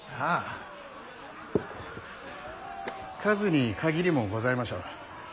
数に限りもございましょう。